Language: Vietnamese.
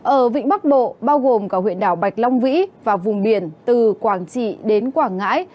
ở vịnh bắc bộ bao gồm cả huyện đảo bạch long vĩ và vùng biển từ quảng trị đến quảng ngãi